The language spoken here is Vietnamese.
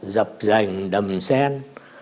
dập rành đầm sen